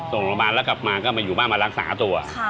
ส่งโรงพยาบาลแล้วกลับมาก็มาอยู่บ้านมารักษาตัว